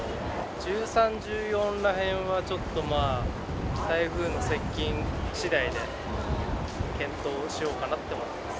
１３、１４らへんはちょっとまあ、台風の接近しだいで検討しようかなって思ってます。